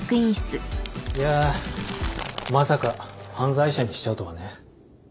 いやまさか犯罪者にしちゃうとはね。